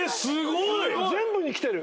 全部にきてる。